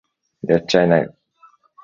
やっちゃいなよ